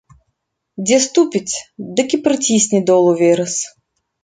Дзе ступіць, дык і прыцісне долу верас.